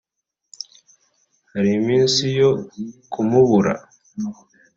hari iminsi yo kumubura